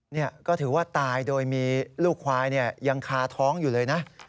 นี่ก็ถือว่าตายโดยมีลูกควายยังคาท้องอยู่เลยนะ